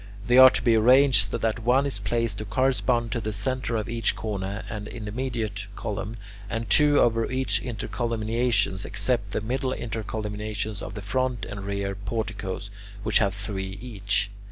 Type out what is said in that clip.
They are to be arranged so that one is placed to correspond to the centre of each corner and intermediate column, and two over each intercolumniation except the middle intercolumniations of the front and rear porticoes, which have three each.